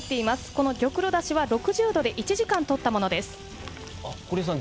この玉露ダシは６０度で１時間取ったものですあっ堀江さん